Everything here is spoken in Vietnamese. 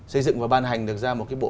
xây dựng và ban hành được ra một cái bộ